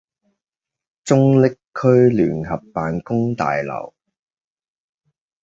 中壢區聯合辦公大樓